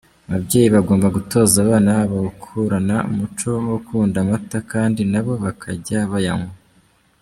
Ababyeyi bagomba gutoza abana babo gukurana umuco wo gukunda amata, kandi nabo bakajya bayanywa.